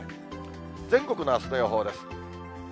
全国のあすの予報です。